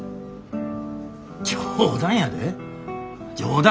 冗談やで冗談。